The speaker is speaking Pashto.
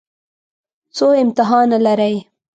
څو امتحانه لرئ؟